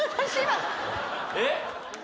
えっ？